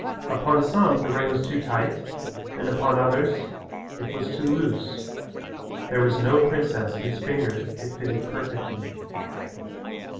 Upon some the ring was too tight and upon others it was too loose. There was no princess whose finger it fitted perfectly.